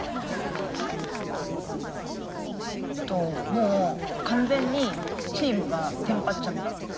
もう完全にチームがテンパっちゃった。